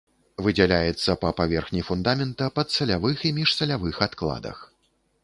Выдзяляецца па паверхні фундамента, падсалявых і міжсалявых адкладах.